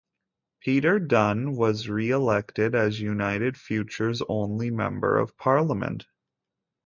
Peter Dunne was re-elected as United Future's only Member of Parliament.